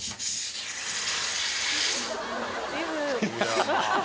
ハハハッ。